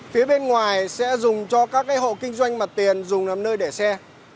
phía bên ngoài sẽ dùng cho các hộ kinh doanh mặt tiền dùng làm nơi để xe